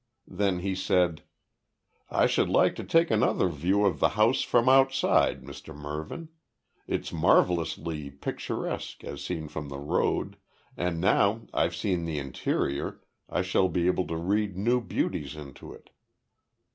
Then he said: "I should like to take another view of the house from outside, Mr Mervyn. It's marvellously picturesque as seen from the road, and now I've seen the interior I shall be able to read new beauties into it."